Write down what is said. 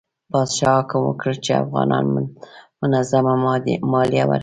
پادشاه حکم وکړ چې افغانان منظمه مالیه ورکړي.